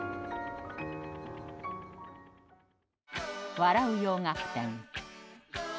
「笑う洋楽展」。